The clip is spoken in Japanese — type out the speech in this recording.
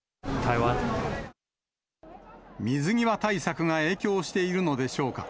水際対策が影響しているのでしょうか。